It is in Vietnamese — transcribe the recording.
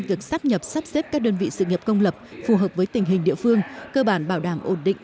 việc sắp nhập sắp xếp các đơn vị sự nghiệp công lập phù hợp với tình hình địa phương cơ bản bảo đảm ổn định